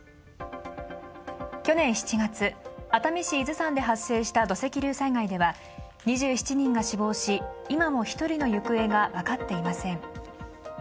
去年７月、熱海市伊豆山で発生した土石流災害では２７人が死亡し、今も１人の行方が分かっていません。